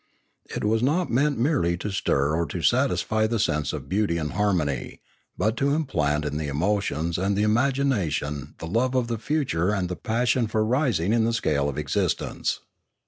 It Was not meant merely to stir or to satisfy the sense of beauty and harmony, but to implant in the emotions and the imagination the love of the future and the passion for rising in the scale of existence.